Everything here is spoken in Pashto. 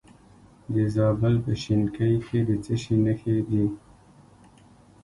د زابل په شینکۍ کې د څه شي نښې دي؟